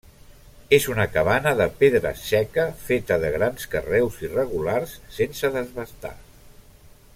És una cabana de pedra seca feta de grans carreus irregulars sense desbastar.